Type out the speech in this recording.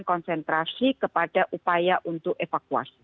kita akan mengekentrasi kepada upaya untuk evakuasi